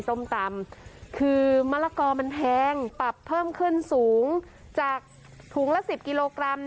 ส้มตำคือมะละกอมันแพงปรับเพิ่มขึ้นสูงจากถุงละ๑๐กิโลกรัม